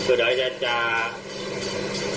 เบื้องต้น๑๕๐๐๐และยังต้องมีค่าสับประโลยีอีกนะครับ